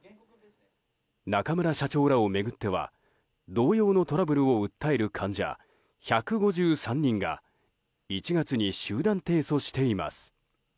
中村社長らを巡っては同様のトラブルを訴える患者１５３人が１月に集団提訴しています。